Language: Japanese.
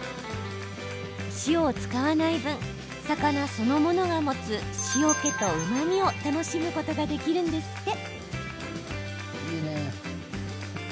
塩を使わない分魚そのものが持つ塩けと、うまみを楽しむことができるんですって。